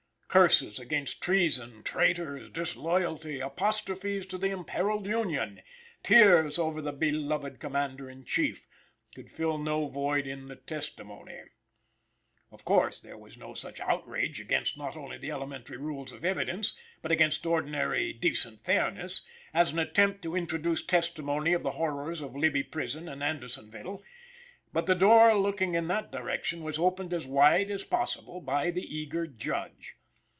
Curses against treason, traitors, disloyalty, apostrophes to the imperiled Union, tears over the beloved Commander in Chief, could fill no void in the testimony. Of course, there was no such outrage against not only the elementary rules of evidence, but against ordinary decent fairness, as an attempt to introduce testimony of the horrors of Libby Prison and Andersonville; but the door looking in that direction was opened as wide as possible by the eager Judge.